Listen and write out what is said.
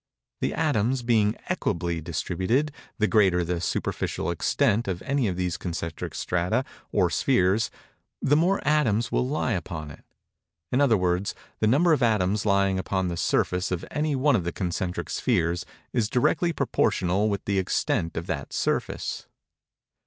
The atoms being equably distributed, the greater the superficial extent of any of these concentric strata, or spheres, the more atoms will lie upon it. In other words, the number of atoms lying upon the surface of any one of the concentric spheres, is directly proportional with the extent of that surface.